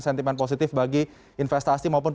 sentimen positif bagi investasi maupun